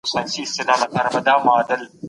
تاسي په خپلو کارونو کي هڅه کوئ.